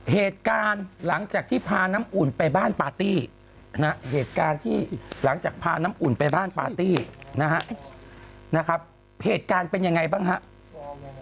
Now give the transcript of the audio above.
เหตุการณ์หลังจากที่พาน้ำอุ่นไปบ้านปาร์ตี้นะครับเหตุการณ์เป็นยังไงบ้างครับ